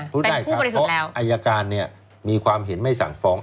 เพราะอัยการมีความเห็นไม่สั่งฟ้อง